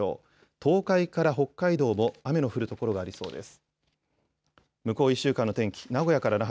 東海から北海道も雨の降る所がありそうです。